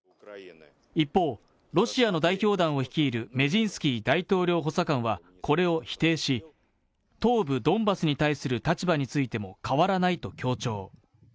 一方、ロシアの代表団を率いるメジンスキー大統領補佐官はこれを否定し、東部ドンバスに対する立場についても変わらないと強調。